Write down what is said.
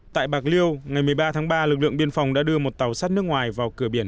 tại bạc liêu ngày một mươi ba tháng ba lực lượng biên phòng đã đưa một tàu sắt nước ngoài vào cửa biển